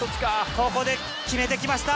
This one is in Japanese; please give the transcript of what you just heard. ここで決めてきました。